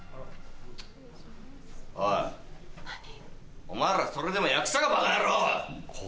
おいお前らそれでも役者かバカヤロ！